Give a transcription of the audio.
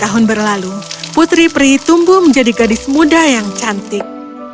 tahun berlalu putri pri tumbuh menjadi gadis muda yang cantik